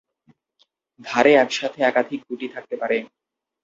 ধারে একসাথে একাধিক গুটি থাকতে পারে।